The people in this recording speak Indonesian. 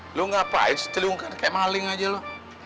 mi lo ngapain setelah lingkar kayak maling aja lo